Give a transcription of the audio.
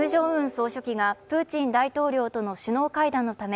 総書記がプーチン大統領との首脳会談のため、